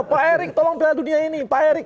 pak erik tolong piala dunia ini